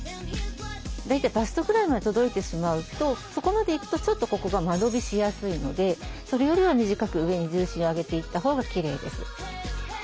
大体バストぐらいまで届いてしまうとそこまでいくとちょっとここが間延びしやすいのでそれよりは短く上に重心を上げていったほうがきれいです。